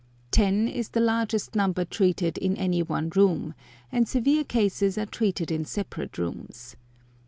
Ten is the largest number treated in any one room, and severe cases are treated in separate rooms.